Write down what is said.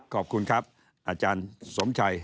ขอบคุณครับอาจารย์สมชัย